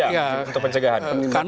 iya untuk pencegahan